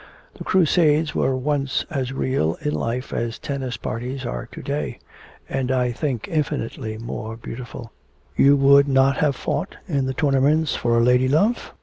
'The crusades were once as real in life as tennis parties are to day; and I think infinitely more beautiful.' 'You would not have fought in the tournaments for a lady love?'